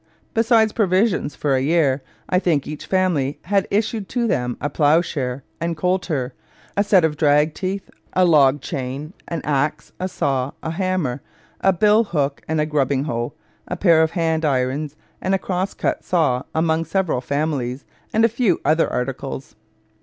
Besides provisions for a year, I think each family had issued to them a plough share and coulter, a set of dragg teeth, a log chain, an axe, a saw, a hammer, a bill hook and a grubbing hoe, a pair of hand irons and a cross cut saw amongst several families, and a few other articles.